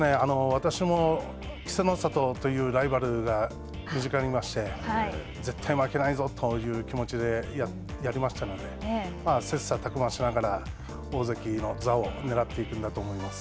私も稀勢の里というライバルが身近にいまして、絶対負けないぞという気持ちでやりましたので、切さたく磨しながら大関の座をねらっていくんだと思います。